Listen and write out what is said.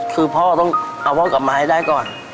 คือพ่อต้องเอาพ่อกลับมาให้ได้ก่อน